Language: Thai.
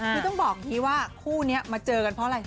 คือต้องบอกว่าคู่นี้มาเจอกันเพราะอะไร